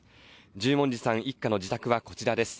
十文字さん一家の自宅は、こちらです。